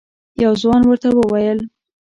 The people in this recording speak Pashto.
یو ځوان ورته وویل: